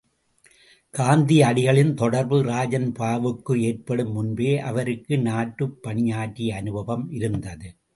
காந்தியடிகளின் தொடர்பு ராஜன்பாபுக்கு ஏற்படும் முன்பே, அவருக்கு நாட்டுப் பணியாற்றிய அனுபவம் இருந்தது.